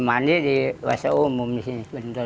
mandi di bahasa umum di sini